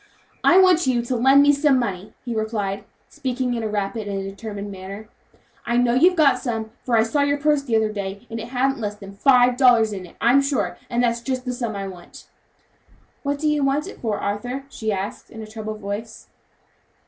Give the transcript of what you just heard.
"I want you to lend me some money," he replied, speaking in a rapid and determined manner; "I know you've got some, for I saw your purse the other day, and it hadn't less than five dollars in it, I'm sure, and that's just the sum I want." "What do you want it for, Arthur?" she asked in a troubled voice.